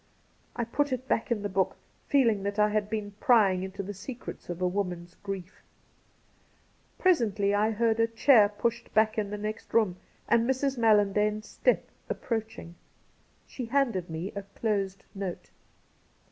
I put it back in the book, feeling that I had been prying into the secrets of a woman's grief Presently I heard a chair pushed back in the next room and Mrs. MaUandane's step approaching. She handed me a closed note.